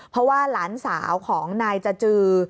เพราะว่าหลานสาวของนายจจือ